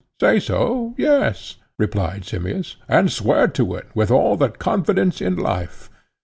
Say so, yes, replied Simmias, and swear to it, with all the confidence in life.